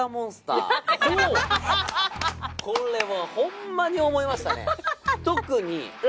これはホンマに思いましたね